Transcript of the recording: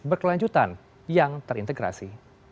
berkelanjutan yang terintegrasi